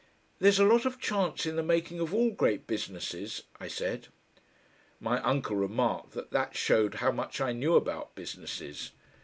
"There's a lot of chance in the making of all great businesses," I said. My uncle remarked that that showed how much I knew about businesses.